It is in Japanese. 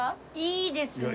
いいですね！